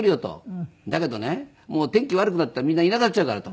「だけどね天気悪くなったらみんないなくなっちゃうから」と。